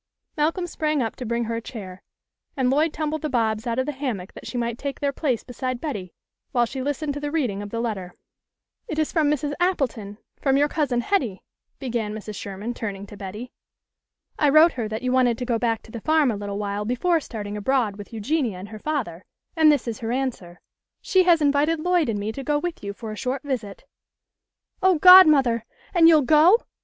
Malcolm sprang up to bring her a chair, and Lloyd tumbled the Bobs out of the hammock that she might take their place beside Betty, while she listened to the reading of the letter. " It is from Mrs. Appleton from your Cousin Hetty," began Mrs. Sherman, turning to Betty. " I wrote her that you wanted to go back to the farm a little while before starting abroad with Eugenia and her father, and this is her answer. She has invited Lloyd and me to go with you for a short visit." " Oh, godmother ! And you'll go